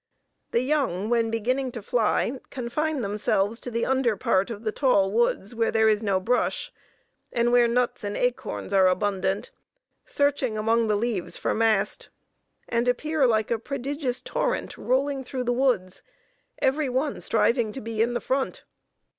The young, when beginning to fly, confine themselves to the under part of the tall woods where there is no brush, and where nuts and acorns are abundant, searching among the leaves for mast, and appear like a prodigious torrent rolling through the woods, every one striving to be in the front.